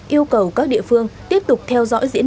yêu cầu các địa phương tiếp tục theo dõi diễn biến